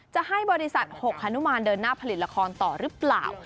จะให้บริษัท๖ฮานุมานเดินหน้าผลิตละครต่อหรือเปล่า